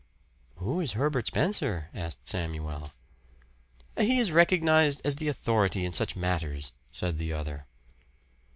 "Who is Herbert Spencer?" asked Samuel. "He is recognized as the authority in such matters," said the other.